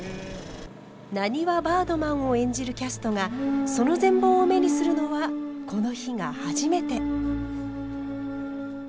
なにわバードマンを演じるキャストがその全貌を目にするのはこの日が初めて。